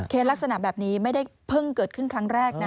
ลักษณะแบบนี้ไม่ได้เพิ่งเกิดขึ้นครั้งแรกนะ